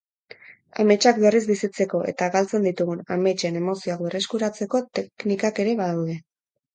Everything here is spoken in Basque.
Ametsak berriz bizitzeko eta galtzen ditugun ametsen emozioak berreskuratzeko teknikak ere badaude.